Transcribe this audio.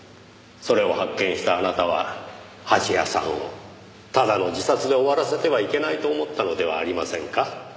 それを発見したあなたは蜂矢さんをただの自殺で終わらせてはいけないと思ったのではありませんか？